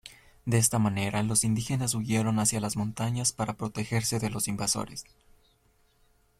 De esta manera los indígenas huyeron hacia las montañas para protegerse de los invasores.